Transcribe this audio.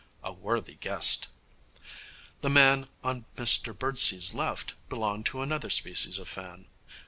A worthy guest! The man on Mr Birdsey's left belonged to another species of fan.